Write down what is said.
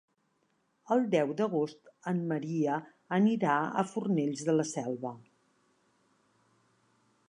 El deu d'agost en Maria anirà a Fornells de la Selva.